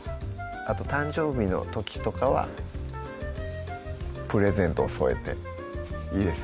あと誕生日の時とかはプレゼントを添えていいですね